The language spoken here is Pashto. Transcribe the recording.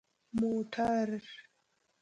🚘 موټر